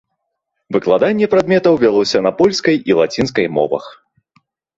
Выкладанне прадметаў вялося на польскай і лацінскай мовах.